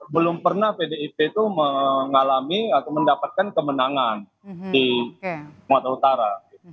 belum pernah pdip itu mengalami atau mendapatkan kemenangan di sumatera utara